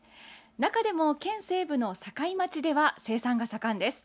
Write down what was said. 中でも県西部の境町では生産が盛んです。